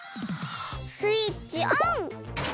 スイッチオン！